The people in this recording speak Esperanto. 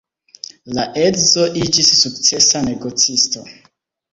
La edzo iĝis sukcesa negocisto.